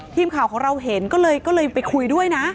ทีมข่าวของเราเห็นก็เลยไปคุยด้วยนะ